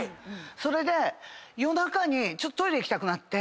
それで夜中にトイレ行きたくなって。